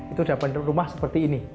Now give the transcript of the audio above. itu dapat rumah seperti ini